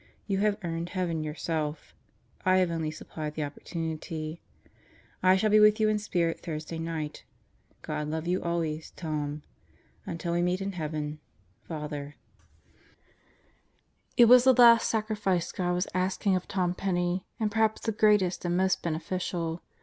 You have earned heaven yourself; I have only supplied the opportunity. ,.. I shall be with you in spirit Thursday night. God love you always, Tom. Until we meet in heaven, Father. 188 God Goes to Murderer's Row It was the last sacrifice God was asking of Tom Penney, and perhaps the greatest and the most beneficial.